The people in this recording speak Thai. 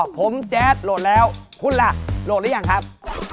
ผมแจ๊ดโหลดแล้วคุณล่ะโหลดหรือยังครับ